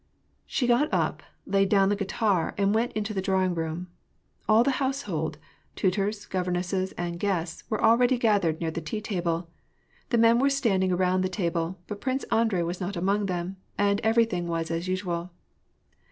She got up, laid down the guitar, and went into the drawing room. All the household — tutors, governesses, and guests — were already gathered near the tea table. The men were stand ing around the table ; but Prince Andrei was not among them, and everything was as usual.